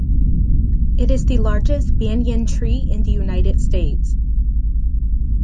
It is the largest Banyan Tree in the United States.